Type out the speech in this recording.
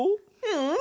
うん！